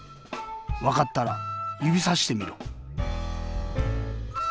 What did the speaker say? わかったらゆびさしてみろ。